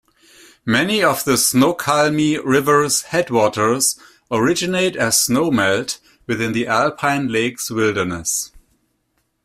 Many of the Snoqualmie River's headwaters originate as snowmelt within the Alpine Lakes Wilderness.